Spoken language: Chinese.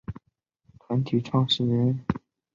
霍蓝斯的妻子为阿卡贝拉团体创始人。